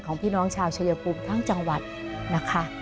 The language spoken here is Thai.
ของพี่น้องชาวเฉยกุมทั้งจังหวัดนะคะ